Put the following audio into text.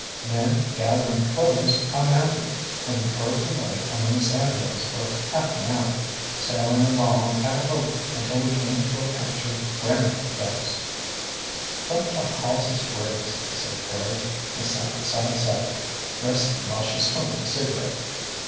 Then, gathering the clothes, I mounted, and we curved away among sandhills for half an hour, sailing along at a lope until we came to a patch of gramma grass. "Let the hawsses graze," said Curly, and sat side saddle, resting while she smoked a cigarette.